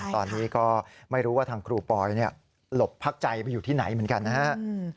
ตอนนี้ก็ไม่รู้ว่าทางครูปอยหลบพักใจไปอยู่ที่ไหนเหมือนกันนะครับ